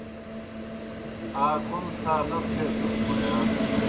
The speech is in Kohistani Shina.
آ کوْم څھا نہ تھیتَس بوْ یا؟